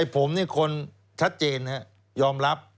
ไอ้ผมนี่คนชัดเจนนะฮะยอมรับ